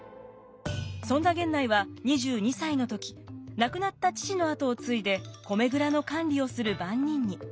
そんな源内は２２歳の時亡くなった父の跡を継いで米蔵の管理をする番人に。